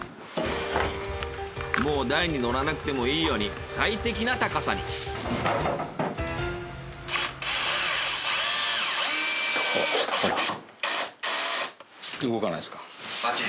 もう台に乗らなくてもいいように最適な高さに。動かないですか？